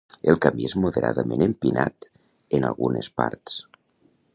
El camí és moderadament empinat en algunes parts.